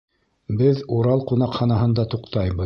Беҙ «Урал» ҡунаҡханаһында туҡтайбыҙ.